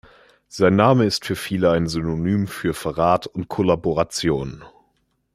Sein Name ist für viele ein Synonym für Verrat und Kollaboration.